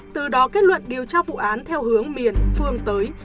từ đó kết luận điều tra vụ án theo hướng miền phương tới